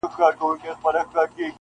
ګړی وروسته په کلا کي خوشالي سوه -